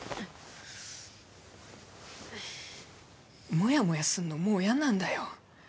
モヤモヤすんのもうやなんだよ